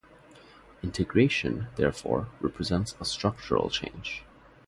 Integration, therefore, represents a structural change.